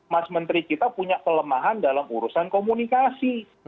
mas menteri kita punya kelemahan dalam urusan komunikasi